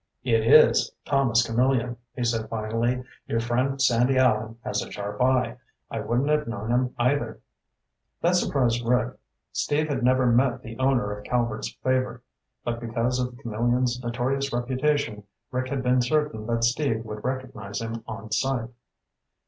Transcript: "It is Thomas Camillion," he said finally. "Your friend Sandy Allen has a sharp eye. I wouldn't have known him, either." That surprised Rick. Steve had never met the owner of Calvert's Favor, but because of Camillion's notorious reputation, Rick had been certain that Steve would recognize him on sight.